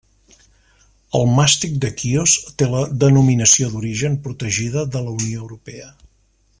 El màstic de Quios té la Denominació d'origen protegida de la Unió Europea.